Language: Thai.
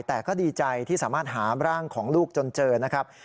แต่ก็ดีใจที่สามารถหาร่างของลูกจนเจอนะครับ